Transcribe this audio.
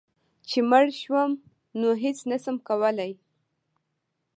چي مړ شوم نو هيڅ نشم کولی